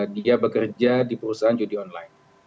dia bekerja di perusahaan judi online